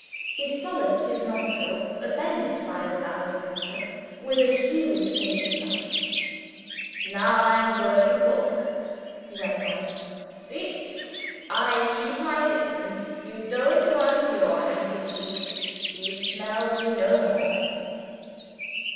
He solaced his nostrils, offended by the lavender water, with a huge pinch of snuff. "Now I am going to talk," he went on. "See! I keep my distance. You don't want your handkerchiefs you smell me no more."